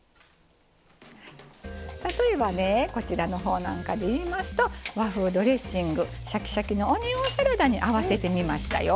例えばねこちらのほうなんかで言いますと和風ドレッシングシャキシャキのオニオンサラダに合わせてみましたよ。